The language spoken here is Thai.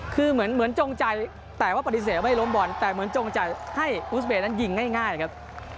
คือเหมือนจงใจแต่ว่าปฏิเสธว่าไม่ล้มบอลแต่เหมือนจงใจให้อุสเบย์นั้นยิงง่ายครับ